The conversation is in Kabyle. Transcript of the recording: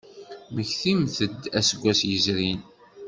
Mmektimt-d aseggas yezrin.